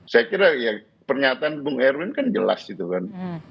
saya kira ya pernyataan bung erwin kan jelas itu kan